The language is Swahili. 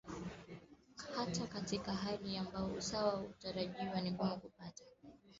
Hata katika hali ambazo usawa hutarajiwa ni vigumu kupata